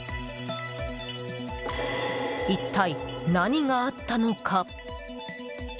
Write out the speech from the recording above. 一体、何があったのか。